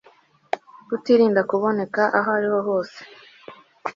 Kutirinda kuboneka aho ariho hose